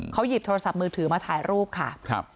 เขาหยิบโทรศัพท์มือถือมาถ่ายรูปค่ะ